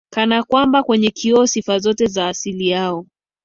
kana kwamba kwenye kioo sifa zote za asili yao